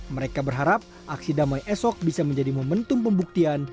mereka berharap aksi damai esok bisa menjadi momentum pembuktian